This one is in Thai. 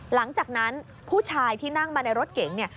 หลังจากนั้นผู้ชายที่นั่งมาในรถเก๋งเนี่ย